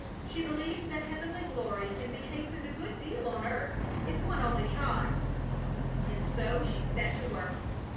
She believed that heavenly glory can be hastened a good deal on earth if one only tries, and so she set to work.